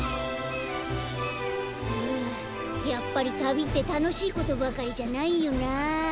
やっぱりたびってたのしいことばかりじゃないよな。